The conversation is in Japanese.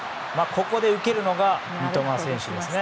ここで受けるのが三笘選手ですね。